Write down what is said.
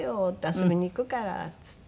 「遊びに行くから」って言って。